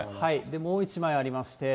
もう１枚ありまして。